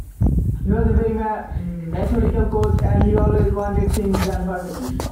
He was a very methodical coach, and he always wanted things done perfectly.